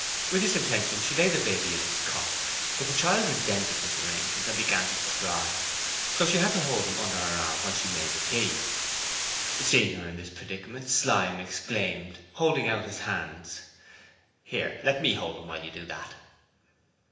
With this intention she laid the baby in its cot, but the child resented this arrangement and began to cry, so she had to hold him under her left arm while she made the tea. Seeing her in this predicament, Slyme exclaimed, holding out his hands: 'Here, let me hold him while you do that.'